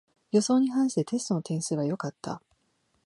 予想に反してテストの点数は良かった